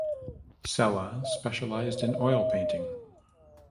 Sella specialized in oil painting.